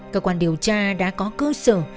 cơ quan điều tra đã có cơ sở